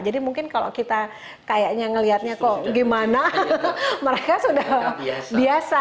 jadi mungkin kalau kita kayaknya ngeliatnya kok gimana mereka sudah biasa